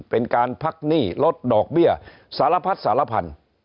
เป็นการพักหนี้ลดดอกเบี้ยสารพัดสารพันธุ์